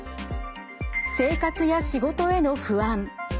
生活や仕事への不安。